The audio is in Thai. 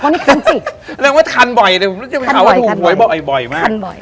วันนี้คันจิกเรียกว่าคันบ่อยคันบ่อยคันบ่อยคันบ่อยคันบ่อยคันบ่อยคันบ่อย